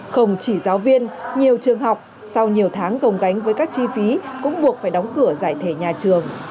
không chỉ giáo viên nhiều trường học sau nhiều tháng gồng gánh với các chi phí cũng buộc phải đóng cửa giải thể nhà trường